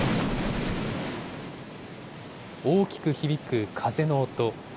大きく響く風の音。